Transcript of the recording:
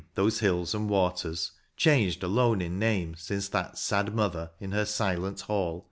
Those hills and waters, changed alone in name Since that sad mother, in her silent hall.